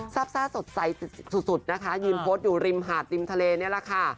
ซ่าสดใสสุดนะคะยืนโพสต์อยู่ริมหาดริมทะเลนี่แหละค่ะ